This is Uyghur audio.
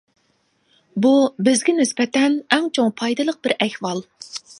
بۇ بىزگە نىسبەتەن ئەڭ چوڭ پايدىلىق بىر ئەھۋال.